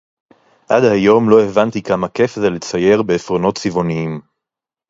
עד היום לא הבנתי כמה כיף זה לצייר בעפרונות צבעוניים.